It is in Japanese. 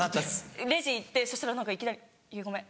レジ行ってそしたら何かいきなり「結実ごめん。